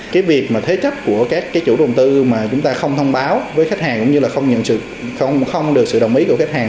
cái việc mà thế chấp của các cái chủ đầu tư mà chúng ta không thông báo với khách hàng cũng như là không được sự đồng ý của khách hàng